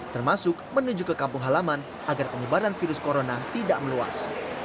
termasuk menuju ke kampung halaman agar penyebaran virus corona tidak meluas